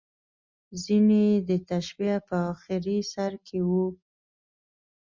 ځینې یې د تشبیه په اخري سر کې وو.